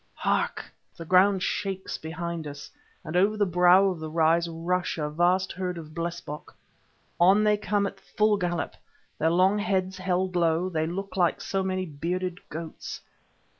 Hark! the ground shakes behind us, and over the brow of the rise rush a vast herd of blesbock. On they come at full gallop, their long heads held low, they look like so many bearded goats.